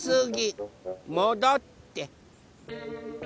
もどって。